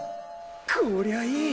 こりゃいい！